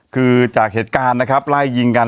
คือจากเหตุการณ์ไล่ยิงกัน